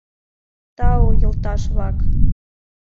Тау, йолташ-влак!